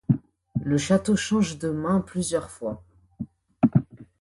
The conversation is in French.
Le château change de mains plusieurs fois.